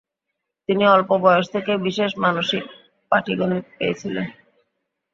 তিনি অল্প বয়স থেকেই বিশেষ মানসিক পাটিগণিত পেয়েছিলেন।